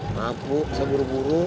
maaf bu seburu buru